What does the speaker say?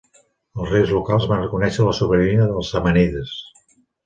Els reis locals van reconèixer la sobirania dels samànides.